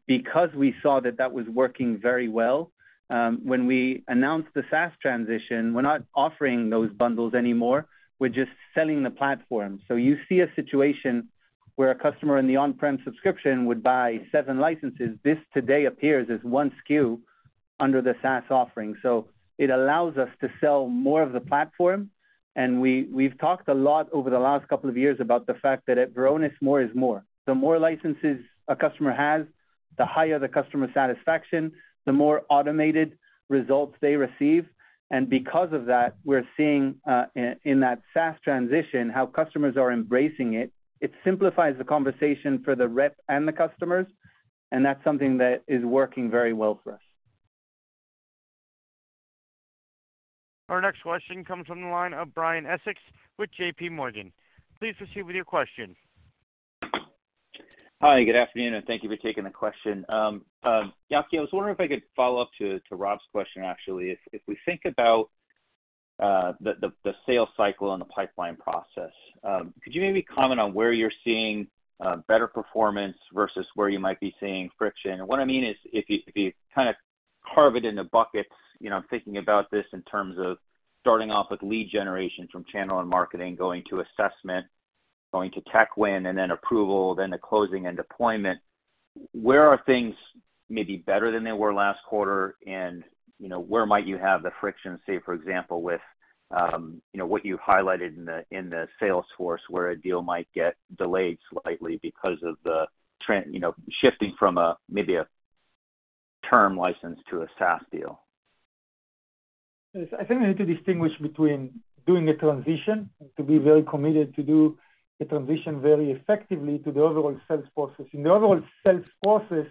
Because we saw that that was working very well, when we announced the SaaS transition, we're not offering those bundles anymore, we're just selling the platform. You see a situation where a customer in the on-prem subscription would buy seven licenses, this today appears as 1 SKU under the SaaS offering. It allows us to sell more of the platform, and we've talked a lot over the last couple of years about the fact that at Varonis, more is more. The more licenses a customer has, the higher the customer satisfaction, the more automated results they receive, and because of that, we're seeing, in, in that SaaS transition, how customers are embracing it. It simplifies the conversation for the rep and the customers, and that's something that is working very well for us. Our next question comes from the line of Brian Essex with JPMorgan. Please proceed with your question. Hi, good afternoon, and thank you for taking the question. Yaki, I was wondering if I could follow up to, to Rob's question, actually. If, if we think about the, the sales cycle and the pipeline process, could you maybe comment on where you're seeing better performance versus where you might be seeing friction? What I mean is, if you, if you kind of carve it into buckets, you know, thinking about this in terms of starting off with lead generation from channel and marketing, going to assessment, going to tech win, and then approval, then the closing and deployment. Where are things maybe better than they were last quarter, and, you know, where might you have the friction, say, for example, with, you know, what you highlighted in the, in the sales force, where a deal might get delayed slightly because of the trend, you know, shifting from a maybe a term license to a SaaS deal? Yes, I think we need to distinguish between doing a transition, to be very committed to do a transition very effectively to the overall sales process. In the overall sales process,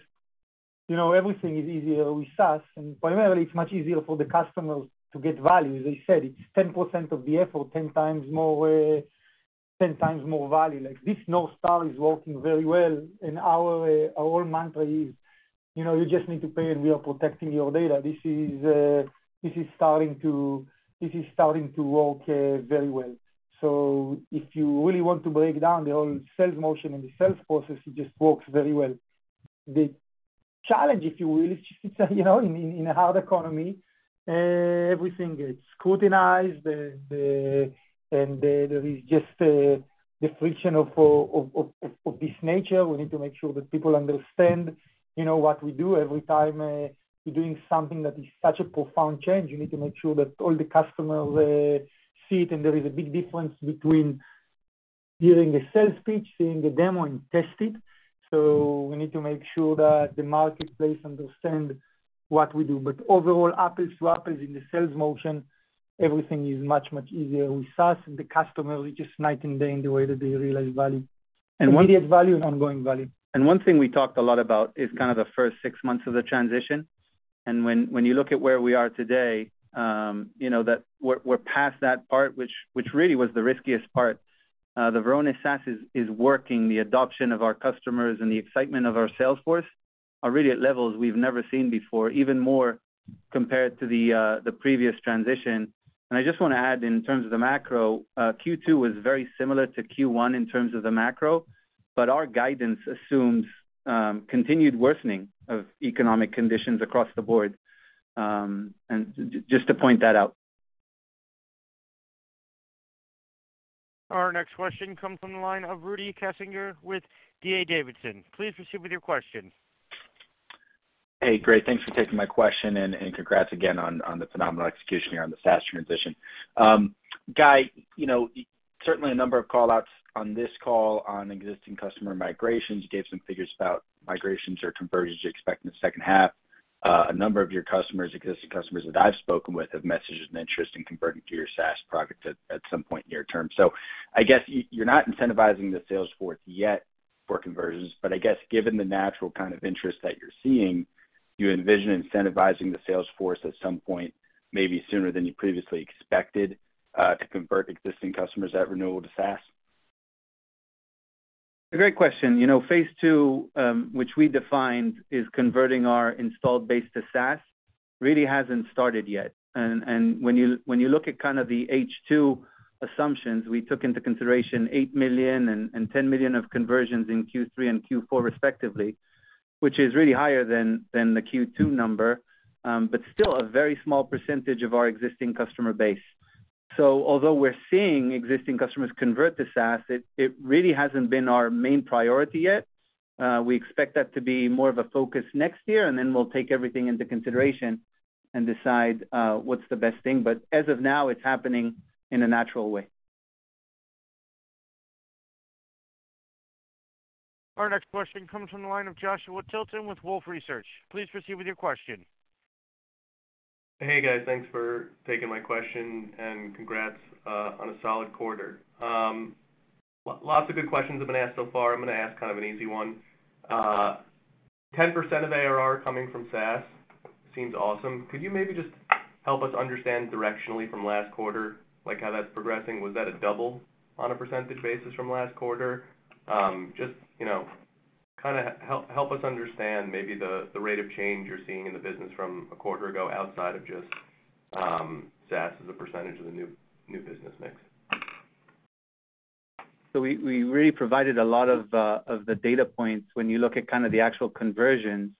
you know, everything is easier with SaaS, and primarily, it's much easier for the customers to get value. As I said, it's 10% of the effort, 10x more, 10x more value. Like, this North Star is working very well, and our, our whole mantra is, you know, you just need to pay, and we are protecting your data. This is, this is starting to, this is starting to work, very well. If you really want to break down the whole sales motion and the sales process, it just works very well. The challenge, if you will, is just, you know, in, in a hard economy, everything is scrutinized, and there is just the friction of this nature. We need to make sure that people understand, you know, what we do every time, we're doing something that is such a profound change, you need to make sure that all the customers see it. There is a big difference between hearing the sales pitch, seeing the demo, and test it. We need to make sure that the marketplace understand what we do. Overall, apples to apples in the sales motion, everything is much, much easier with SaaS, and the customer is just night and day in the way that they realize value. Immediate value and ongoing value. One thing we talked a lot about is kind of the first six months of the transition, and when, when you look at where we are today, you know, that we're, we're past that part, which, which really was the riskiest part. The Varonis SaaS is, is working. The adoption of our customers and the excitement of our sales force are really at levels we've never seen before, even more compared to the previous transition. I just want to add, in terms of the macro, Q2 was very similar to Q1 in terms of the macro, but our guidance assumes continued worsening of economic conditions across the board, and just to point that out. Our next question comes from the line of Rudy Kessinger with D.A. Davidson. Please proceed with your question. Hey, great. Thanks for taking my question, and congrats again on the phenomenal execution here on the SaaS transition. Guy, you know, certainly a number of call-outs on this call on existing customer migrations. You gave some figures about migrations or conversions you expect in the second half. A number of your customers, existing customers that I've spoken with, have messaged an interest in converting to your SaaS product at some point near term. I guess you're not incentivizing the sales force yet for conversions, but I guess given the natural kind of interest that you're seeing, do you envision incentivizing the sales force at some point, maybe sooner than you previously expected, to convert existing customers at renewal to SaaS? A great question. You know, phase two, which we defined is converting our installed base to SaaS, really hasn't started yet. When you, when you look at kind of the H2 assumptions, we took into consideration $8 million and $10 million of conversions in Q3 and Q4, respectively, which is really higher than the Q2 number, but still a very small percentage of our existing customer base. Although we're seeing existing customers convert to SaaS, it really hasn't been our main priority yet. We expect that to be more of a focus next year, and then we'll take everything into consideration and decide what's the best thing. As of now, it's happening in a natural way. Our next question comes from the line of Joshua Tilton with Wolfe Research. Please proceed with your question. Hey, guys. Thanks for taking my question, and congrats on a solid quarter. Lots of good questions have been asked so far. I'm gonna ask kind of an easy one. 10% of ARR coming from SaaS seems awesome. Could you maybe just help us understand directionally from last quarter, like, how that's progressing? Was that a double on a percentage basis from last quarter? Just, you know, kind of help, help us understand maybe the, the rate of change you're seeing in the business from a quarter ago outside of just SaaS as a percentage of the new, new business mix. We, we really provided a lot of the data points when you look at kind of the actual conversions.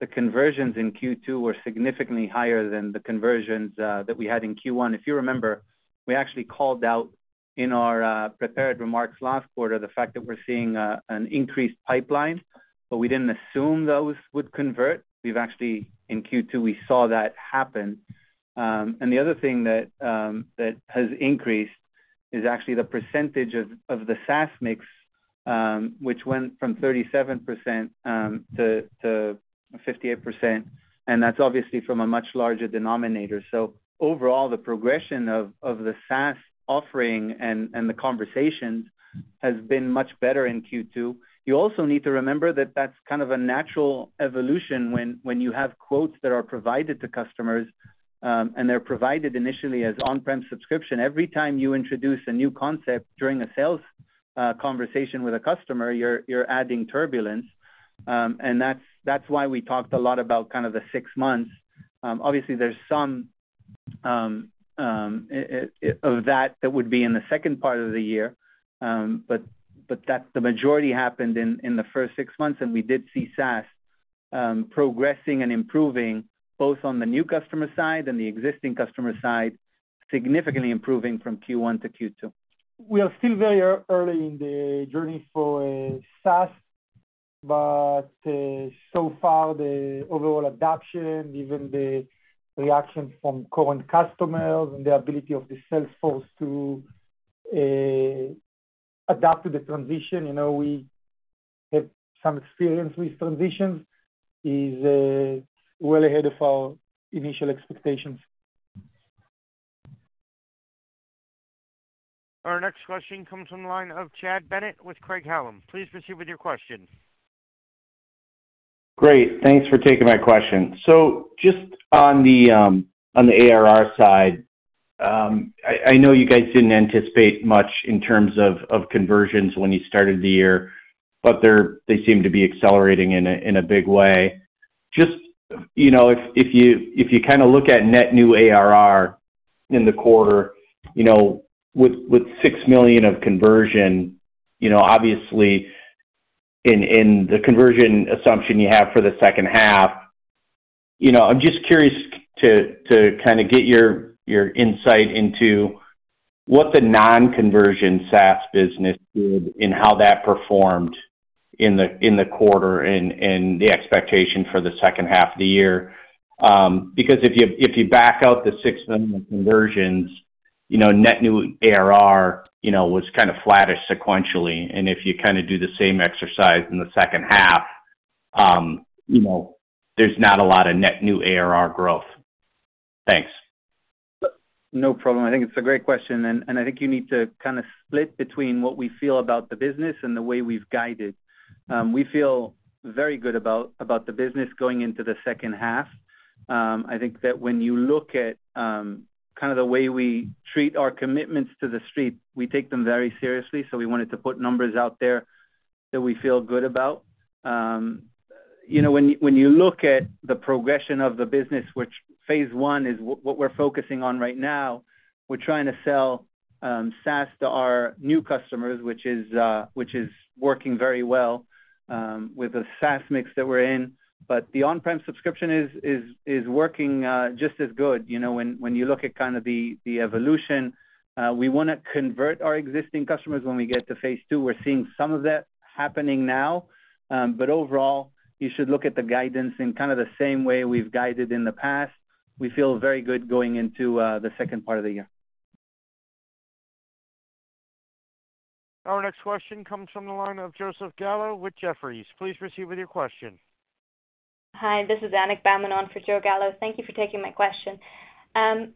The conversions in Q2 were significantly higher than the conversions that we had in Q1. If you remember, we actually called out in our prepared remarks last quarter, the fact that we're seeing an increased pipeline, but we didn't assume those would convert. We've actually, in Q2, we saw that happen. And the other thing that has increased is actually the percentage of the SaaS mix, which went from 37% to 58%, and that's obviously from a much larger denominator. Overall, the progression of the SaaS offering and the conversations has been much better in Q2. You also need to remember that that's kind of a natural evolution when, when you have quotes that are provided to customers, and they're provided initially as on-prem subscription. Every time you introduce a new concept during a sales conversation with a customer, you're, you're adding turbulence. That's, that's why we talked a lot about kind of the six months. Obviously, there's some of that that would be in the second part of the year, but that's the majority happened in the first six months, and we did see SaaS progressing and improving, both on the new customer side and the existing customer side, significantly improving from Q1 to Q2. We are still very early in the journey for SaaS, but so far, the overall adoption, even the reaction from current customers and the ability of the sales force to adapt to the transition, you know, we have some experience with transitions, is well ahead of our initial expectations. Our next question comes from the line of Chad Bennett with Craig-Hallum. Please proceed with your question. Great. Thanks for taking my question. Just on the on the ARR side, I, I know you guys didn't anticipate much in terms of, of conversions when you started the year, but they seem to be accelerating in a, in a big way. Just, you know, if, if you, if you kind of look at net new ARR in the quarter, you know, with, with $6 million of conversion, you know, obviously, in, in the conversion assumption you have for the second half, you know, I'm just curious to, to kind of get your, your insight into what the non-conversion SaaS business did and how that performed in the, in the quarter and, and the expectation for the second half of the year. Because if you, if you back out the $6 million conversions, you know, net new ARR, you know, was kind of flattish sequentially, and if you kind of do the same exercise in the second half, you know, there's not a lot of net new ARR growth. Thanks. No problem. I think it's a great question, and I think you need to kind of split between what we feel about the business and the way we've guided. We feel very good about the business going into the second half. I think that when you look at, kind of the way we treat our commitments to the street, we take them very seriously, so we wanted to put numbers out there that we feel good about. You know, when you look at the progression of the business, which phase one is what we're focusing on right now, we're trying to sell SaaS to our new customers, which is working very well, with the SaaS mix that we're in. The on-prem subscription is working just as good. You know, when, when you look at kind of the, the evolution, we want to convert our existing customers when we get to Phase 2. We're seeing some of that happening now. Overall, you should look at the guidance in kind of the same way we've guided in the past. We feel very good going into the second part of the year. Our next question comes from the line of Joseph Gallo with Jefferies. Please proceed with your question. Hi, this is Anik Bamonon for Joe Gallo. Thank you for taking my question.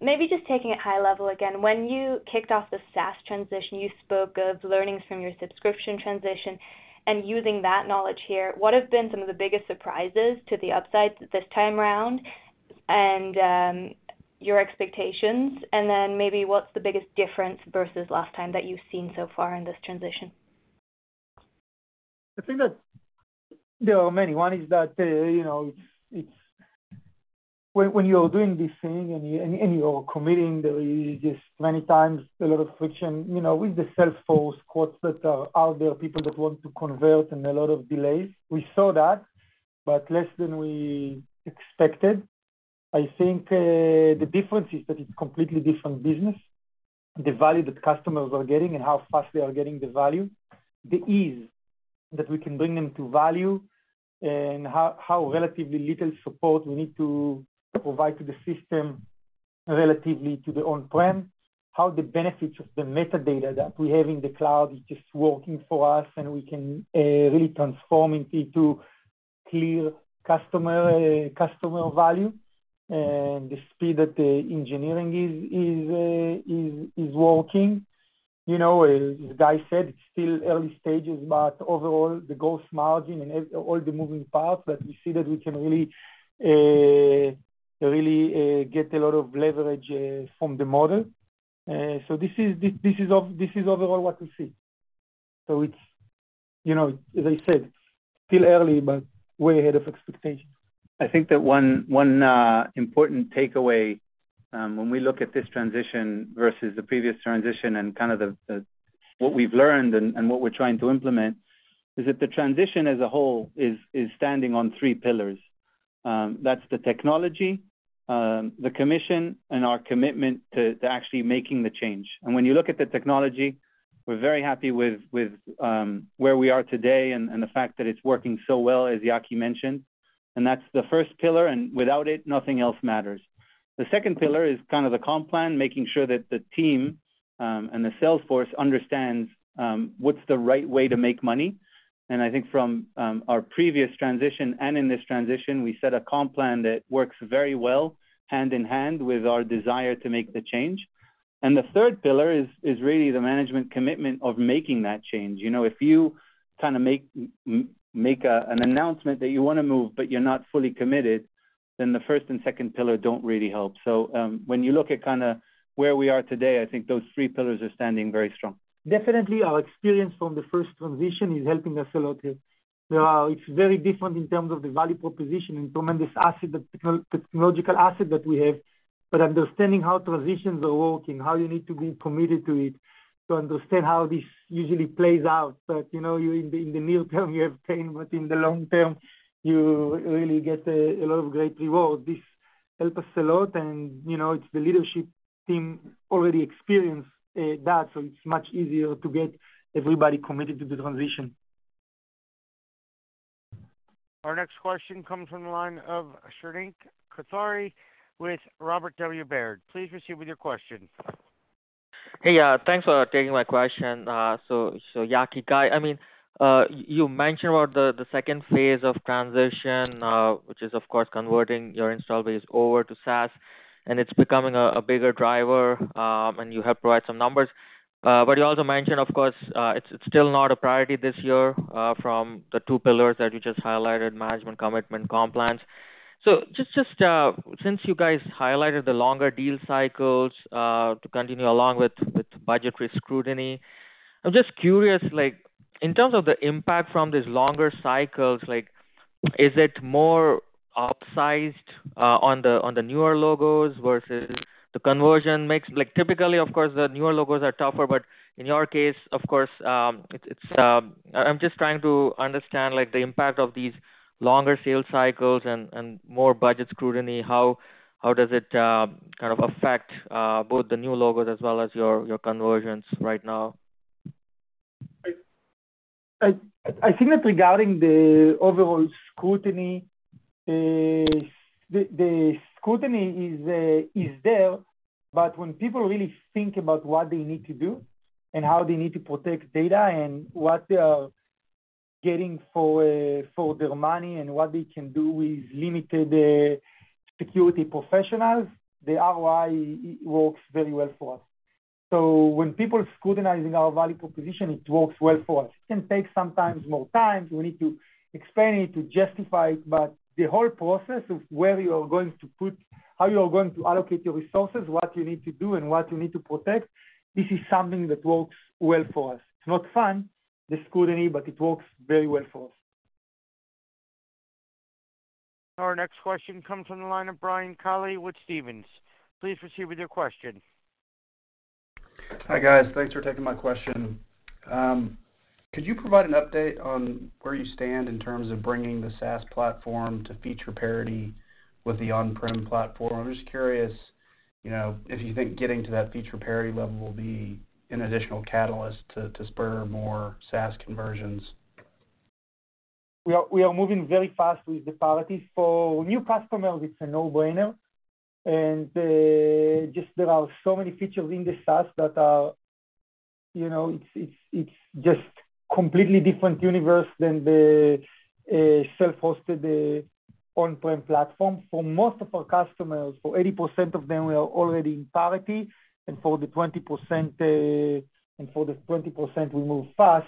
Maybe just taking it high level again, when you kicked off the SaaS transition, you spoke of learnings from your subscription transition and using that knowledge here. What have been some of the biggest surprises to the upside this time around, and, your expectations? Then maybe what's the biggest difference versus last time that you've seen so far in this transition? I think that there are many. One is that, you know, it's when you're doing this thing and you, and you're committing, there is just many times a lot of friction, you know, with the sales force quotes that are out there, people that want to convert and a lot of delays. We saw that, but less than we expected. I think the difference is that it's completely different business. The value that customers are getting and how fast they are getting the value, the ease that we can bring them to value, and how, how relatively little support we need to provide to the system relatively to the on-prem, how the benefits of the metadata that we have in the cloud is just working for us, and we can, really transform into clear customer, customer value, and the speed that the engineering is, is, is, is working. You know, as Guy said, it's still early stages, but overall, the gross margin and ev- all the moving parts that we see that we can really, really, get a lot of leverage, from the model. This is, this, this is of- this is overall what we see. It's, you know, as I said, still early, but way ahead of expectations. I think that one, one important takeaway, when we look at this transition versus the previous transition and kind of the, the, what we've learned and, and what we're trying to implement, is that the transition as a whole is, is standing on three pillars. That's the technology, the commission, and our commitment to, to actually making the change. When you look at the technology, we're very happy with, with where we are today and, and the fact that it's working so well, as Yaki mentioned, and that's the first pillar, and without it, nothing else matters. The second pillar is kind of the comp plan, making sure that the team, and the sales force understands, what's the right way to make money. I think from our previous transition and in this transition, we set a comp plan that works very well hand in hand with our desire to make the change. The third pillar is, is really the management commitment of making that change. You know, if you kind of make a, an announcement that you want to move, but you're not fully committed, then the first and second pillar don't really help. When you look at kind of where we are today, I think those three pillars are standing very strong. Definitely, our experience from the first transition is helping us a lot here. It's very different in terms of the value proposition and tremendous asset, the technological asset that we have, but understanding how transitions are working, how you need to be committed to it, to understand how this usually plays out. You know, you in the, in the near term, you have pain, but in the long term, you really get a lot of great reward. This help us a lot, and, you know, it's the leadership team already experienced that, so it's much easier to get everybody committed to the transition. Our next question comes from the line of Shrenik Kothari with Robert W. Baird. Please proceed with your question. Hey, thanks for taking my question. Yaki, Guy, I mean, you mentioned about the second phase of transition, which is, of course, converting your install base over to SaaS, and it's becoming a bigger driver, and you have provided some numbers. You also mentioned, of course, it's still not a priority this year, from the two pillars that you just highlighted, management, commitment, compliance. Just since you guys highlighted the longer deal cycles, to continue along with budget rescrutiny, I'm just curious, like, in terms of the impact from these longer cycles, like, is it more upsized on the newer logos versus the conversion mix? Like, typically, of course, the newer logos are tougher, but in your case, of course, it's, it's... I'm just trying to understand, like, the impact of these longer sales cycles and, and more budget scrutiny. How, how does it kind of affect both the new logos as well as your, your conversions right now? I think that regarding the overall scrutiny, the, the scrutiny is there, but when people really think about what they need to do and how they need to protect data and what they are getting for their money and what they can do with limited security professionals, the ROI works very well for us. When people scrutinizing our value proposition, it works well for us. It can take sometimes more times, we need to explain it, to justify it, but the whole process of where you are going to put, how you are going to allocate your resources, what you need to do, and what you need to protect, this is something that works well for us. It's not fun, the scrutiny, but it works very well for us. Our next question comes from the line of Brian Colley with Stephens. Please proceed with your question. Hi, guys. Thanks for taking my question. Could you provide an update on where you stand in terms of bringing the SaaS platform to feature parity with the on-prem platform? I'm just curious, you know, if you think getting to that feature parity level will be an additional catalyst to, to spur more SaaS conversions. We are, we are moving very fast with the parity. For new customers, it's a no-brainer, just there are so many features in the SaaS that are, you know, it's just completely different universe than the, self-hosted, on-prem platform. For most of our customers, for 80% of them, we are already in parity, and for the 20%, and for the 20%, we move fast.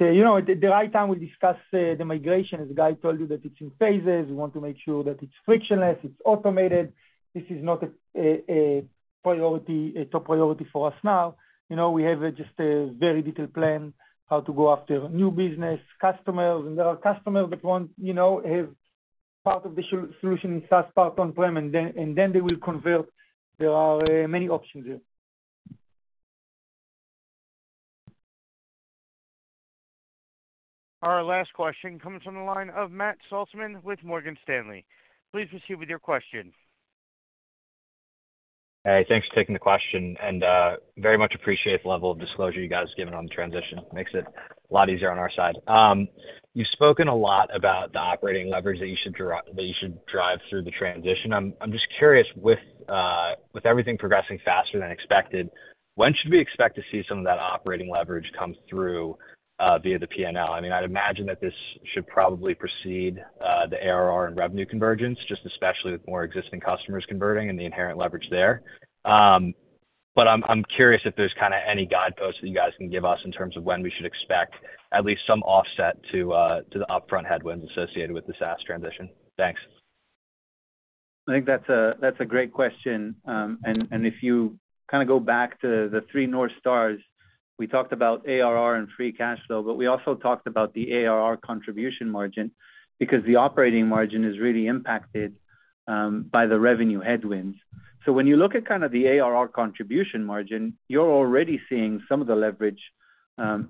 You know, the right time, we discuss, the migration, as Guy told you, that it's in phases. We want to make sure that it's frictionless, it's automated. This is not a priority, a top priority for us now. You know, we have just a very little plan how to go after new business, customers. There are customers that want, you know, have part of the solution in SaaS part on-prem, then they will convert. There are many options there. Our last question comes from the line of Matt Saltzman with Morgan Stanley. Please proceed with your question. Hey, thanks for taking the question. Very much appreciate the level of disclosure you guys have given on the transition. Makes it a lot easier on our side. You've spoken a lot about the operating leverage that you should that you should drive through the transition. I'm, I'm just curious, with everything progressing faster than expected, when should we expect to see some of that operating leverage come through via the PNL? I mean, I'd imagine that this should probably precede the ARR and revenue convergence, just especially with more existing customers converting and the inherent leverage there. I'm, I'm curious if there's kind of any guideposts that you guys can give us in terms of when we should expect at least some offset to the upfront headwinds associated with the SaaS transition. Thanks. I think that's a, that's a great question. If you kind of go back to the three North Stars, we talked about ARR and free cash flow, but we also talked about the ARR contribution margin, because the operating margin is really impacted by the revenue headwinds. When you look at kind of the ARR contribution margin, you're already seeing some of the leverage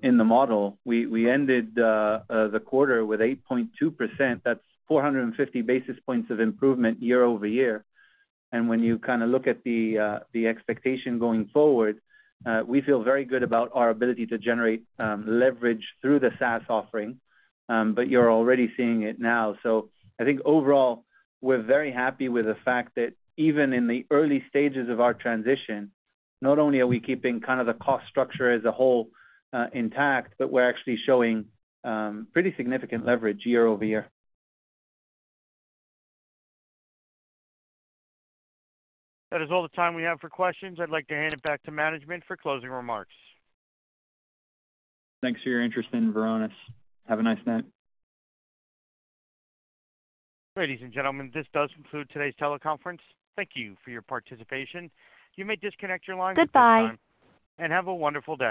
in the model. We, we ended the quarter with 8.2%. That's 450 basis points of improvement year-over-year. When you kind of look at the expectation going forward, we feel very good about our ability to generate leverage through the SaaS offering, but you're already seeing it now. I think overall, we're very happy with the fact that even in the early stages of our transition, not only are we keeping kind of the cost structure as a whole, intact, but we're actually showing pretty significant leverage year-over-year. That is all the time we have for questions. I'd like to hand it back to management for closing remarks. Thanks for your interest in Varonis. Have a nice night. Ladies and gentlemen, this does conclude today's teleconference. Thank you for your participation. You may disconnect your lines at this time. Goodbye.Have a wonderful day.